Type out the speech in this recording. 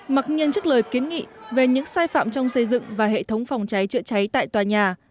mặc nhiên trước lời kiến nghị về những sai phạm trong xây dựng và hệ thống phòng cháy chữa cháy tại tòa nhà